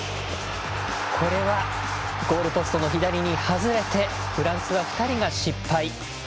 これはゴールポストの左に外れてフランスは２人が失敗。